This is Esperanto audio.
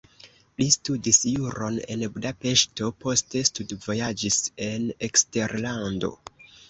Li studis juron en Budapeŝto, poste studvojaĝis en eksterlando.